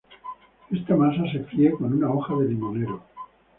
Esta masa se fríe con una hoja de limonero.